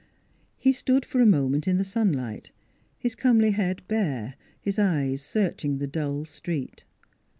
He stood for a moment in the sunlight, his comely head bare, his eyes searching the dull street.